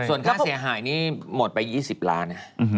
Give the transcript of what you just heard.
ส่วนค่าเสียหายนี่หมดไป๒๐ล้าน